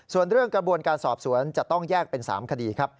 ส่วนเรื่องกระบวนการสอบสวนจะต้องแยกเป็น๓คดีครับ